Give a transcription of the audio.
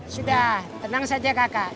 sudah tenang saja kakak